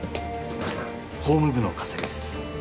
法務部の加瀬です